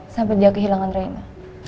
sampai dia kehilangan reina